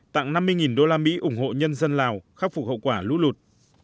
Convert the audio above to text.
tặng năm mươi usd ủng hộ nhân dân lào khắc phục hậu quả lũ lụt